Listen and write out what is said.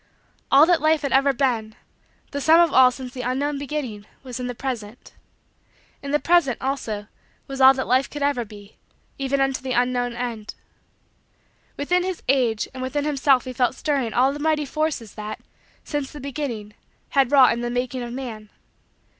All that Life had ever been the sum of all since the unknown beginning was in the present. In the present, also, was all that Life could ever be, even unto the unknown end. Within his age and within himself he felt stirring all the mighty forces that, since the beginning, had wrought in the making of man.